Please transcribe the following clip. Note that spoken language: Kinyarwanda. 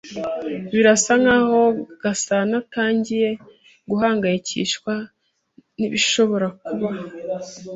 Birasa nkaho Gasanaatangiye guhangayikishwa nibishobora kubaho.